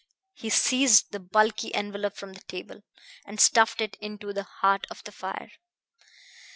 He seized the bulky envelop from the table, and stuffed it into the heart of the fire.